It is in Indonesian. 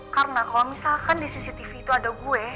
karena kalo misalkan di cctv itu ada gue